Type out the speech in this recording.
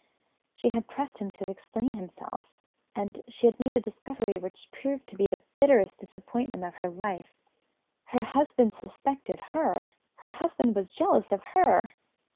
She had pressed him to explain himself and she had made a discovery which proved to be the bitterest disappointment of her life. Her husband suspected her! Her husband was jealous of her!